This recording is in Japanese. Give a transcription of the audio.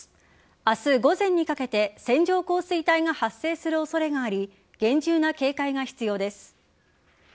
明日午前にかけて線状降水帯が発生する恐れがあり厳重な警戒が必要です。